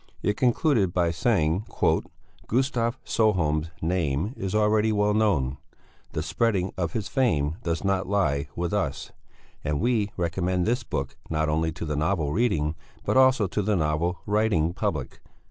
It concluded by saying: "Gustav Sjöholm's name is already well known; the spreading of his fame does not lie with us; and we recommend this book not only to the novel reading, but also to the novel writing public."